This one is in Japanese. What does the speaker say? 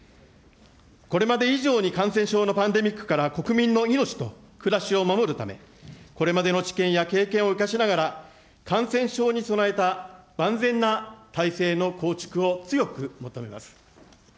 これまで以上に感染症のパンデミックから国民の命と暮らしを守るため、これまでの知見や経験を生かしながら感染症に備えた万全な体制の構築を強く求めます。